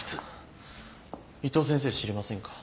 伊藤先生知りませんか？